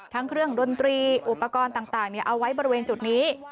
ทั้งเครื่องดนตรีอุปกรณ์ต่างเอาไว้บริเวณจุดนี้